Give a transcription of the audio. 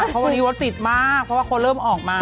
เพราะวันนี้รถติดมากเพราะว่าเขาเริ่มออกมา